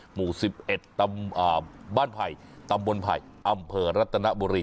หมู่๑๑ตำบลบ้านไผ่ตำบลไผ่อำเภอรัตนบุรี